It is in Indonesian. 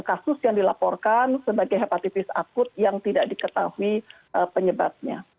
kasus yang dilaporkan sebagai hepatitis akut yang tidak diketahui penyebabnya